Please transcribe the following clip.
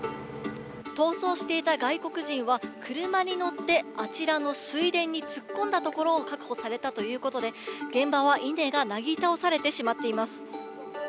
逃走していた外国人は、車に乗ってあちらの水田に突っ込んだところを確保されたということで、現場は稲がなぎ倒されてしまっています。